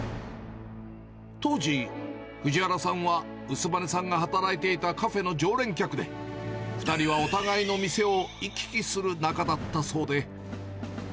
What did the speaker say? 当時、藤原さんは薄羽さんが働いていたカフェの常連客で、２人はお互いの店を行き来する仲だったそうで。